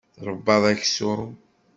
Tṛebbaḍ aksum.